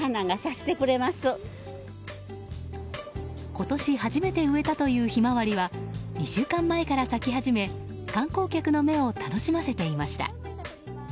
今年初めて植えたというヒマワリは２週間前から咲き始め観光客の目を楽しませていました。